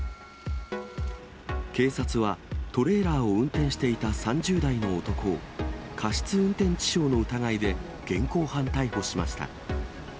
警察は、トレーラーを運転していた３０代の男を、過失運転致傷の疑いで、現行犯逮捕しました。